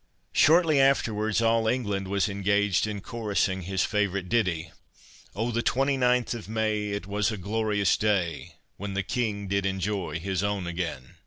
Shortly afterwards, all England was engaged in chorusing his favourite ditty— "Oh, the twenty ninth of May, It was a glorious day, When the King did enjoy his own again."